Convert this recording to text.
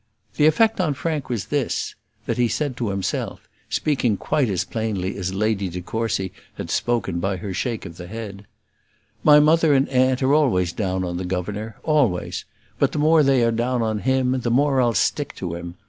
The effect on Frank was this: that he said to himself, speaking quite as plainly as Lady de Courcy had spoken by her shake of the face, "My mother and aunt are always down on the governor, always; but the more they are down on him the more I'll stick to him.